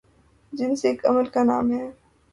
جنس ایک عمل کا نام ہے